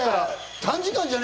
短時間じゃねぇ！